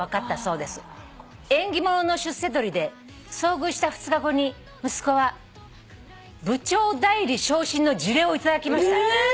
「縁起ものの出世鳥で遭遇した２日後に息子は部長代理昇進の辞令を頂きました」ええ！？